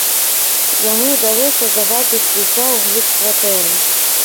Яму ўдалося завабіць дзіця ўглыб кватэры.